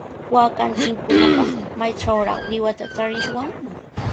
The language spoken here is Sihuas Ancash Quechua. Waakanchikkunapaq, ¿maytrawraq qiwata tarishwan?